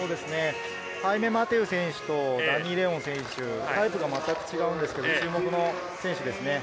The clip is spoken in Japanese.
ハイメ・マテウ選手と、ダニー・レオン選手、タイプが違うんですけれど、注目の選手です。